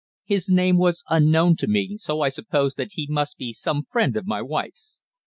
His name was unknown to me, so I supposed that he must be some friend of my wife's.